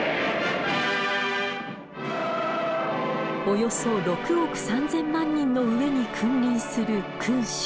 およそ６億３，０００万人の上に君臨する君主。